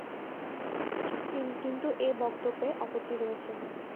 কিন্তু এ বক্তব্যে আপত্তি রয়েছে।